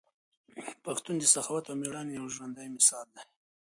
پښتون د سخاوت او ميړانې یو ژوندی مثال دی.